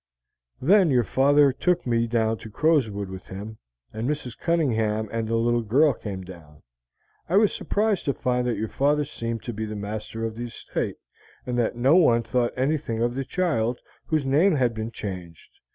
"Then your father took me down to Crowswood with him, and Mrs. Cunningham and the little girl came down. I was surprised to find that your father seemed to be master of the estate, and that no one thought anything of the child, whose name had been changed.